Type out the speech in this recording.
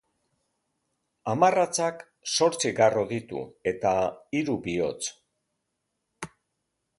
Hamarratzak zortzi garro ditu eta hiru bihotz.